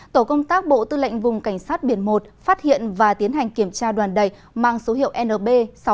tổ công tác bộ tư lệnh vùng cảnh sát biển một phát hiện và tiến hành kiểm tra đoàn đẩy mang số hiệu nb sáu nghìn chín trăm linh sáu